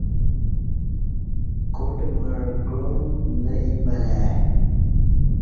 کاٹ مع گعام نہ اِپہ لہ ای